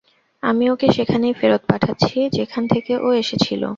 আমি ওকে সেখানেই ফেরত পাঠাচ্ছি যেখান থেকে ও এসেছিল।